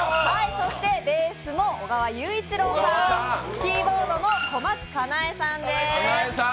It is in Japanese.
ベースの小川祐一郎さん、キーボードの小松奏恵さんです。